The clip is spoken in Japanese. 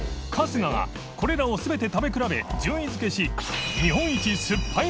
↓これらを全て食べ比べ順位付けし春日）